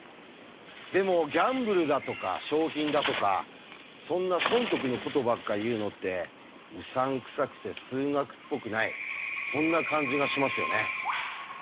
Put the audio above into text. でもギャンブルだとか賞品だとかそんな損得のことばっか言うのってうさんくさくて数学っぽくないそんな感じがしますよね。